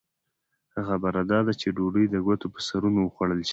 ښه خبره دا ده چې ډوډۍ د ګوتو په سرونو وخوړل شي.